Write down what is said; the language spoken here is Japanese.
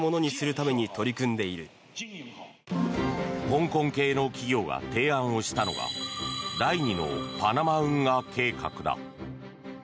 香港系の企業が提案をしたのが第２のパナマ運河計画だ。